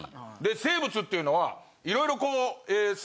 生物っていうのはいろいろこう。